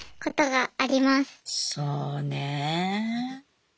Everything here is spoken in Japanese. そうね。